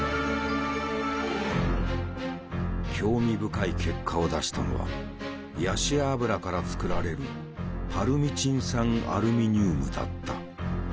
興味深い結果を出したのはヤシ油から作られるパルミチン酸アルミニウムだった。